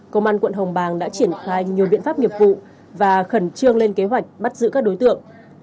công an quận hồng bàng đã triển khai nhiều biện pháp nghiệp vụ và khẩn trương lên kế hoạch bắt giữ các đối tượng